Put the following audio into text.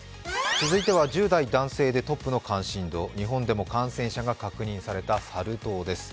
続いては１０代男性でトップの関心度、日本でも感染者が確認されたサル痘です。